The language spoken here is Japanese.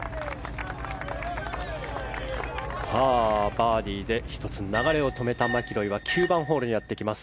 バーディーで１つ流れを止めたマキロイは９番ホールにやってきます。